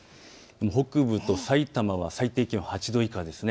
北部とさいたまは最低気温８度以下ですね。